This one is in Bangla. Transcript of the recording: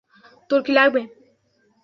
তোর কী লাগবে?